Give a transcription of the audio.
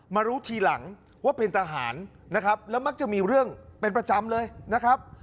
รู้ทีหลังว่าเป็นทหารนะครับแล้วมักจะมีเรื่องเป็นประจำเลยนะครับ